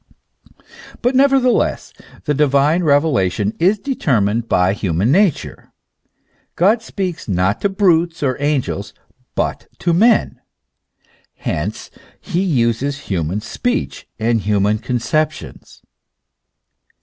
But nevertheless the divine revelation is deter mined by the human nature. God speaks not to brutes or angels, but to men ; hence he uses human speech and human conceptions.